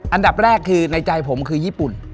อันดับแรกคือในใจผมคือญี่ปุ่น